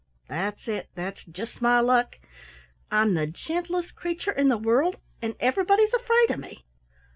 That's it, that's just my luck! I'm the gentlest creature in the world and everybody's afraid of me.